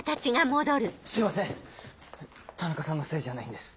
すいません田中さんのせいじゃないんです。